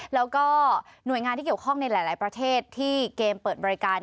แล้วก็หน่วยงานที่เกี่ยวข้องในหลายประเทศที่เกมเปิดบริการ